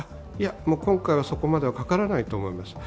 今回はそこまではかからないと思います。